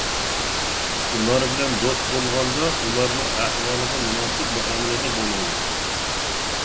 ئۇلار بىلەن دوست بولغاندا ئۇلارنىڭ ئەھۋالىغا مۇناسىپ مۇئامىلىدە بولغۇلۇق.